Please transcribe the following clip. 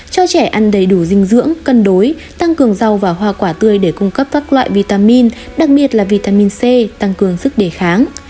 cho trẻ ăn đầy đủ dinh dưỡng cân đối tăng cường rau và hoa quả tươi để cung cấp các loại vitamin đặc biệt là vitamin c tăng cường sức đề kháng